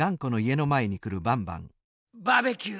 バーベキュー